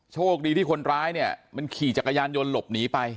โชคดีที่คนร้ายเนี่ยมันขี่จักรยานยนต์หลบหนีไป